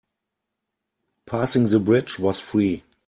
Passing the bridge was free.